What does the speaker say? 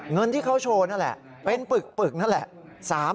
เงินที่เขาโชว์นั่นแหละเป็นปึกนั่นแหละ